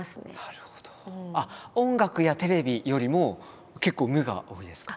音楽やテレビよりも結構無が多いですか？